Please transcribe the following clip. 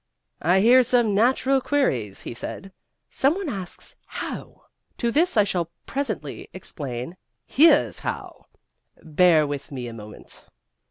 "I hear some natural queries," he said. "Some one asks 'How?' To this I shall presently explain 'Here's how.' Bear with me a moment.